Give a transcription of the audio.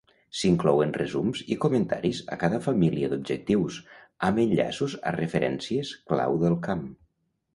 S'inclouen resums i comentaris a cada família d'objectius, amb enllaços a referències clau del camp.